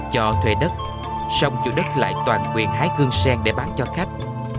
cho thuê đất xong chủ đất lại toàn quyền hái gương sen để bán cho khách